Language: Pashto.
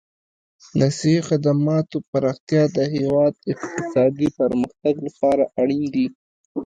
د صحي خدماتو پراختیا د هېواد اقتصادي پرمختګ لپاره اړین دي.